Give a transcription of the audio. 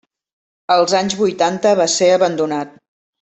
Als anys vuitanta va ser abandonat.